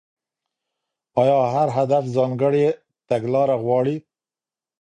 ايا هر هدف ځانګړې تګلاره غواړي؟